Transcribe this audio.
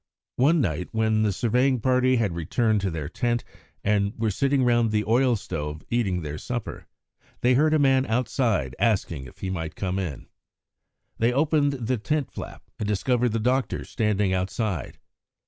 One night, when the surveying party had returned to their tent and were sitting round the oil stove eating their supper, they heard a man outside asking if he might come in. They opened the tent flap and discovered the doctor standing outside.